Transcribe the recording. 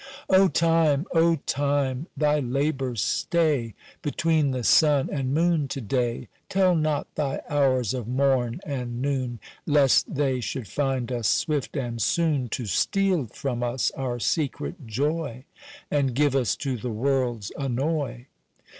"O Time! O Time! Thy labour stay Between the sun and moon to day: Tell not thy hours of moon and noon Lest they should find us swift and soon To steal from us our secret joy, And give us to the world's annoy.